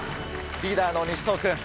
リーダーの西頭君。